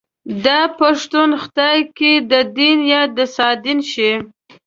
داپښتون خدای که ددين يا دسادين شي